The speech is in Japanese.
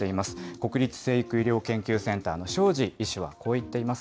国立成育医療研究センターの庄司医師はこう言っています。